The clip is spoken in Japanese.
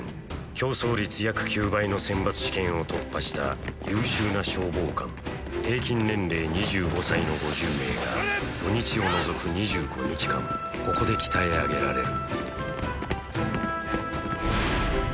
競争率約９倍の選抜試験を突破した優秀な消防官平均年齢２５歳の５０名が土日を除く２５日間ここで鍛え上げられる